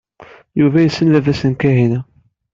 Yuba yessen baba-s n Kahina.